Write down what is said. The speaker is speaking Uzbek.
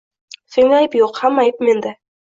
Senda ayb yoʻq, hamma ayb menda!